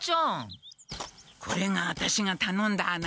これがワタシがたのんだ穴？